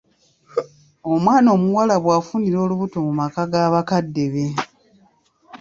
Omwana omuwala bw'afunira olubuto mu maka ga bakadde be.